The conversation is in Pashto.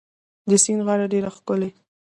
د سیند غاړه ډيره ښکلې